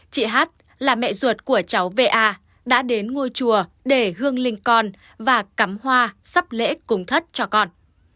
chị hát là mẹ ruột của cháu v a đã đến ngôi chùa để hương linh con và cắm hoa sắp lễ cúng thất cho con